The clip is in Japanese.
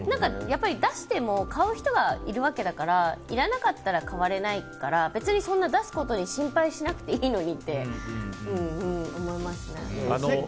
出しても買う人がいるわけだからいらなかったら買われないから別に、そんな出すことに心配しなくていいのにって思いますね。